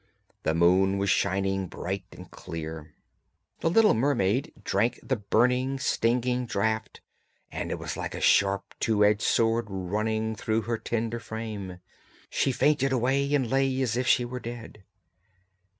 The moon was shining bright and clear. The little mermaid drank the burning, stinging draught, and it was like a sharp, two edged sword running through her tender frame; she fainted away and lay as if she were dead.